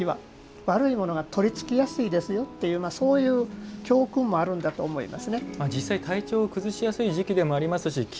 悪いものがとりつきやすいですよというそういう教訓もあるんだと思いますね。